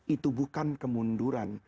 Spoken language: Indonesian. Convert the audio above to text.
itu bukan kemunduran